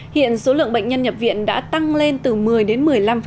hiện số lượng bệnh nhân nhập viện đã tăng lên từ một mươi đến một mươi năm